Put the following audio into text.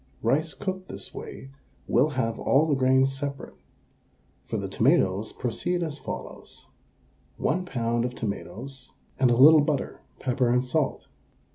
Rice cooked this way will have all the grains separate. For the tomatoes proceed as follows: 1 lb. of tomatoes and a little butter, pepper and salt.